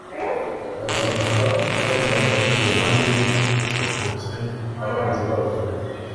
barazamuka banyura mu rundi ruhande baturutse abanzi babo inyuma